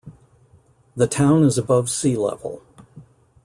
The town is above sea level.